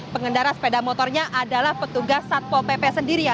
pengendara sepeda motornya adalah petugas satpol pp sendiri ya